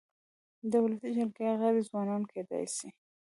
د ولسي جرګي غړي ځوانان کيدای سي.